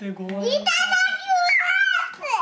いただきます！